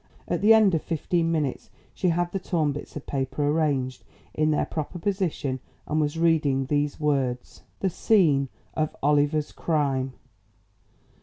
At the end of fifteen minutes she had the torn bits of paper arranged in their proper position and was reading these words: The scene of Oliv der's crime.